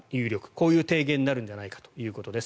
こういう提言になるのではということです。